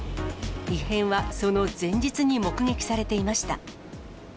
異変はその前日に目撃されていました。